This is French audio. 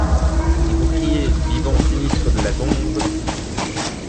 Et vous criez, vivants sinistres de la tombe :